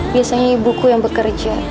biasanya ibuku yang bekerja